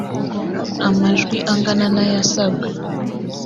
amajwi angana nayasabwaga.